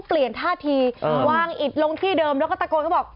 ท่าทีวางอิดลงที่เดิมแล้วก็ตะโกนเขาบอก